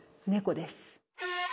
猫です。